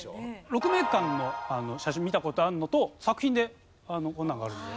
鹿鳴館の写真見た事あるのと作品でこんなんがあるんで。